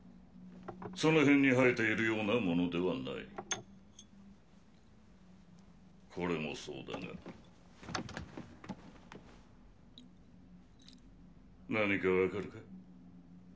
その辺に生えているようなものではないこれもそうだが何か分かるか？